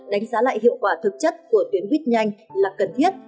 đánh giá lại hiệu quả thực chất của tuyến buýt nhanh là cần thiết